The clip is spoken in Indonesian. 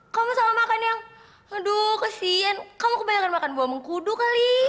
kamu salah makan yang aduh kesian kamu kebanyakan makan buah mengkudu kali